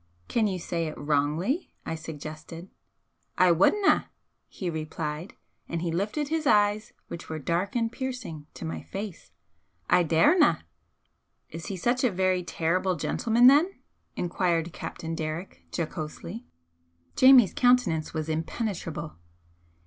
"Can you say it wrongly?" I suggested. "I wadna!" he replied, and he lifted his eyes, which were dark and piercing, to my face "I daurna!" "Is he such a very terrible gentleman, then?" enquired Captain Derrick, jocosely. Jamie's countenance was impenetrable.